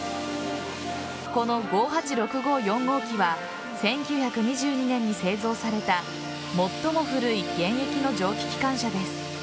この５８６５４号機は１９２２年に製造された最も古い現役の蒸気機関車です。